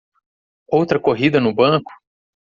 Outra corrida no banco?